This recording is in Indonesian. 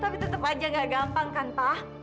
tapi tetap aja gak gampang kan pak